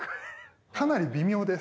かなり微妙です。